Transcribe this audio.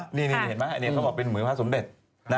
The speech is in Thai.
เห็นไหมเขาบอกเป็นหมือพระสมเด็จ